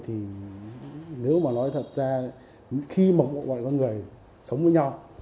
thì nếu mà nói thật ra khi mà mọi con người sống với nhau